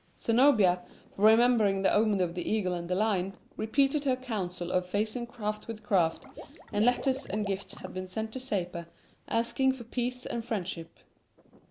Zenobia, remembering the omen of the eagle and the lion, repeated her counsel of facing craft with craft, and letters and gifts had been sent to Sapor, asking for peace and friendship.